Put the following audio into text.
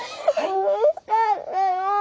さみしかったよ！